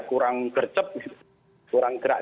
kurang gercep kurang gerak